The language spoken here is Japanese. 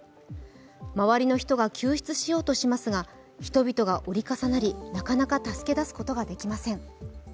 周りの人が救出しようとしますが、人々が折り重なり、なかなか助け出すことができません。